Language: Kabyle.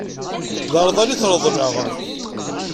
D arḍal i t-reḍleɣ.